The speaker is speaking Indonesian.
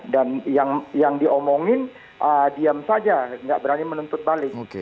dan yang diomongin diam saja nggak berani menuntut balik